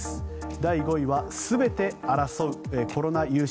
第５位は全て争うコロナ融資